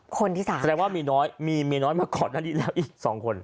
คนที่สามแสดงว่าเมียน้อยมาก่อนอีกแล้วอีกสองคน